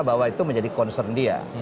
bahwa itu menjadi concern dia